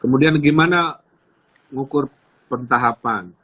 kemudian gimana ngukur pentahapan